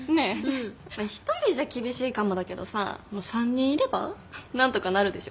１人じゃ厳しいかもだけどさ３人いれば何とかなるでしょ。